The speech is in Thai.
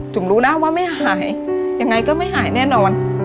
รู้นะว่าไม่หายยังไงก็ไม่หายแน่นอน